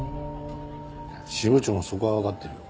支部長もそこはわかってるよ。